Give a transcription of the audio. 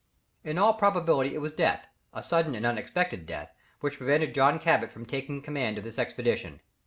In all probability it was death a sudden and unexpected death which prevented John Cabot from taking the command of this expedition.